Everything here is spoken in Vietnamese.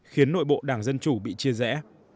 khiến nội bộ đảng dân chủ bị chia rẽ